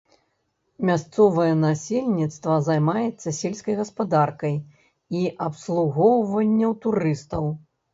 Мясцовае насельніцтва займаецца сельскай гаспадаркай і абслугоўваннем турыстаў.